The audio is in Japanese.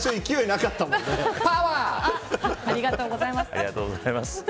ありがとうございます。